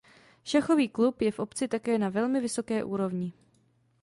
Šachový klub je v obci také na velmi vysoké úrovni.